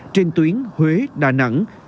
trên tuyến huế đà nẵng